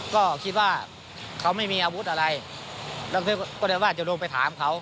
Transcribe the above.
ก็คิดว่าเขาไม่มีอาวุธอะไรแล้วก็เลยว่าจะลงไปถามเขา